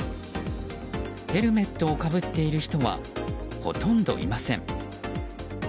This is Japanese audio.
ヘルメットをかぶっている人はほとんどいません。